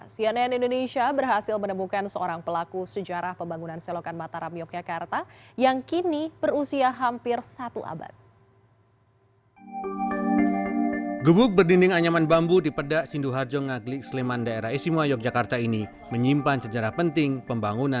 cnn indonesia berhasil menemukan seorang pelaku sejarah pembangunan selokan mataram yogyakarta yang kini berusia hampir satu abad